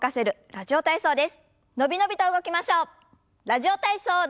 「ラジオ体操第１」。